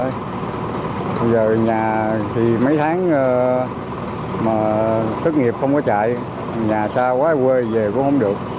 bây giờ nhà thì mấy tháng mà thất nghiệp không có chạy nhà xa quá quê về cũng không được